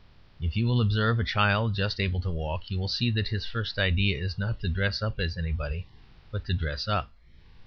If you will observe a child just able to walk, you will see that his first idea is not to dress up as anybody but to dress up.